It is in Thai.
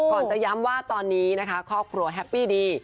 จะย้ำว่าตอนนี้นะคะครอบครัวแฮปปี้ดี